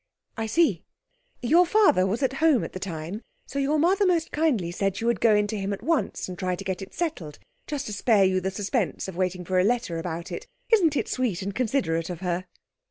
'I see. Your father was at home at the time, so your mother most kindly said she would go in to him at once, and try to get it settled, just to spare you the suspense of waiting for a letter about it. Isn't it sweet and considerate of her?'